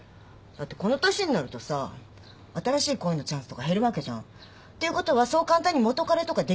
だってこの年になるとさ新しい恋のチャンスとか減るわけじゃん。っていうことはそう簡単に元カレとかできないわけ。